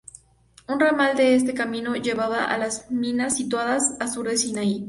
Un ramal de este camino llevaba a las minas situadas a sur del Sinaí.